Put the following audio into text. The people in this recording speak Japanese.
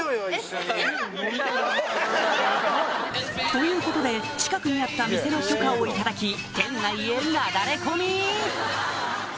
ということで近くにあった店の許可を頂き店内へなだれ込み！